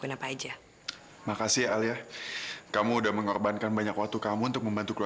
untuk seorang pasien yang sedang membutuhkan darah saya saat ini